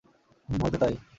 হুম, হয়তো তাই।